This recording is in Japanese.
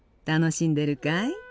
楽しんでるかい？